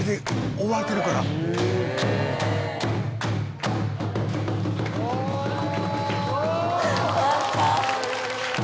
「終わった」